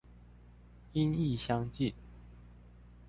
音亦相近